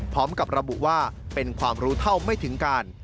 พร้อมกับระบุว่าเป็นความรู้เท่าไม่ถึงการ